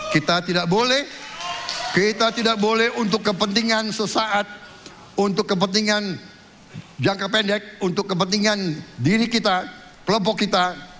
kita tidak boleh kita tidak boleh untuk kepentingan sesaat untuk kepentingan jangka pendek untuk kepentingan diri kita kelompok kita